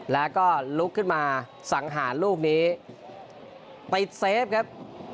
แล้วก็ลุกขึ้นมาสังหารลูกนี้ติดเซฟครับ